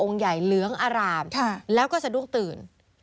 ใหญ่เหลืองอารามแล้วก็สะดุ้งตื่น